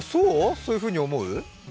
そういうふうに思う？